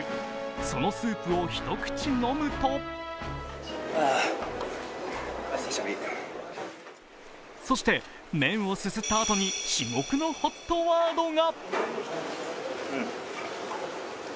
そのスープを一口飲むとそして、麺をすすったあとに至極のＨＯＴワードが。